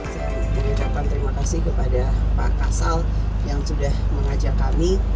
saya mengucapkan terima kasih kepada pak kasal yang sudah mengajak kami